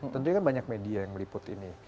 tentunya kan banyak media yang meliput ini